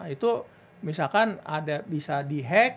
itu misalkan ada bisa di hack